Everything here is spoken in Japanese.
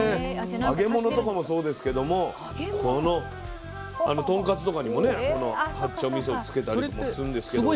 揚げ物とかもそうですけども豚カツとかにもねこの八丁みそをつけたりとかもするんですけど。